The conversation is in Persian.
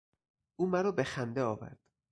او مرا به خنده آورد.